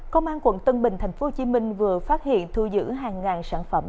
công an quận tân bình tp hcm vừa phát hiện thu giữ hàng ngàn sản phẩm